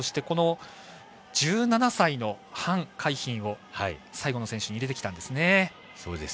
この１７歳の范海斌を最後の選手に入れてきたんですね。